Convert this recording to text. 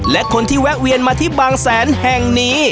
และคนที่แวะเวียนมาที่บางแสนแห่งนี้